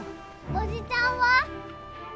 おじちゃんは？